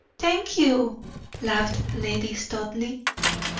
"Thank you," laughed Lady Studleigh.